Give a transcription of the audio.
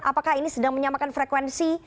apakah ini sedang menyamakan frekuensi